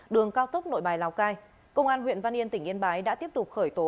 đường cao tốc nội bài lào cai công an huyện văn yên tỉnh yên bái đã tiếp tục khởi tố